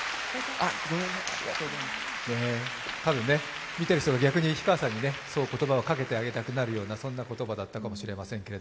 たぶんね、見てる人が逆に氷川さんにその言葉をかけてあげたくなるような言葉だったかもしれません。